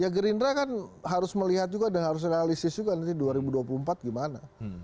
ya gerindra kan harus melihat juga dan harus realistis juga nanti dua ribu dua puluh empat gimana